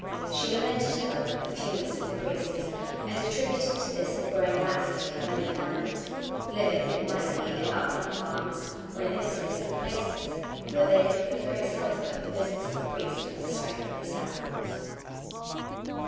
She lamented, however, the fewness of the priests, and attributed to this the growing laxity of many families — living, it might be, in upland farms or in inaccessible places, where they could but very seldom have the visits of the priest and the strength of the sacra ments.